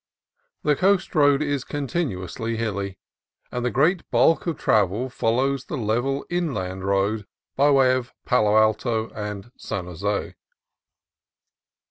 The coast road is continuously hilly, and the great bulk of travel follows the level inland road by way of Palo Alto and San Jose.